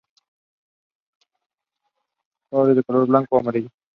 There he preached the Miaphysite doctrine openly against the Chalcedonian.